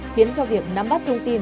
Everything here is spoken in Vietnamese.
khiến cho việc nắm bắt thông tin